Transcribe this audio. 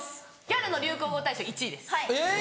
ギャルの流行語大賞１位です。